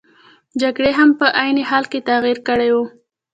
جګړې هم په عین حال کې تغیر کړی وو.